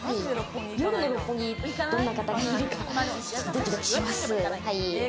夜の六本木、どんな方がいるかドキドキします。